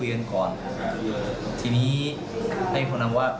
พี่คุยกันก่อนทีนี้ให้คนนั้นว่า